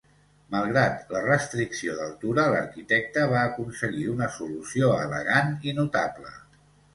Malgrat la restricció d'altura, l'arquitecte va aconseguir una solució elegant i notable.